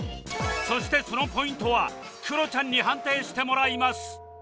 そしてそのポイントはクロちゃんに判定してもらいます